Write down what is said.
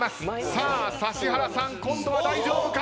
さあ指原さん今度は大丈夫か？